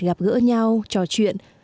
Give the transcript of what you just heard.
gặp gỡ nhau trò chuyện